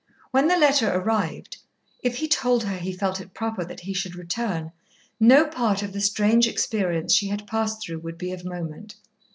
When the letter arrived, if he told her he felt it proper that he should return, no part of the strange experience she had passed through would be of moment.